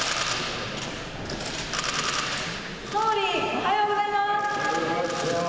おはようございます。